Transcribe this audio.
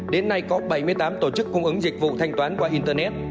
đến nay có bảy mươi tám tổ chức cung ứng dịch vụ thanh toán qua internet